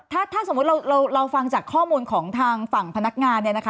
ถ้าสมมุติเราฟังจากข้อมูลของทางฝั่งพนักงาน